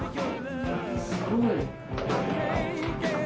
すごい。